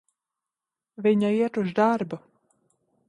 Viņa iet uz darbu.